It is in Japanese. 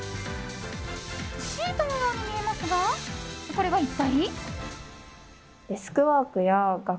シートのように見えますがこれは一体？